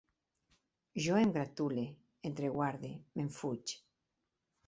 Jo em gratule, entreguarde, m'enfuig